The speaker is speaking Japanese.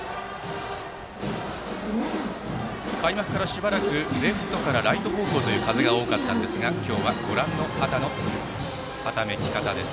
開幕からしばらくレフトからライト方向への風が多かったんですが今日はご覧の旗のはためき方です。